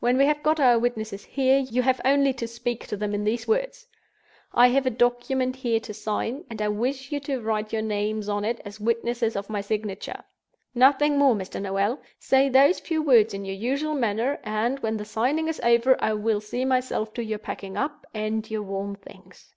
When we have got our witnesses here, you have only to speak to them in these words: 'I have a document here to sign, and I wish you to write your names on it, as witnesses of my signature.' Nothing more, Mr. Noel! Say those few words in your usual manner—and, when the signing is over, I will see myself to your packing up, and your warm things."